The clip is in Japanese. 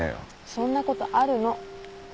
そんなことあるの。